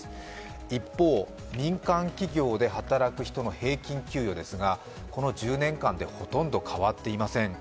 一方、民間企業で働く人の平均給与ですが、この１０年間でほとんど変わっていません。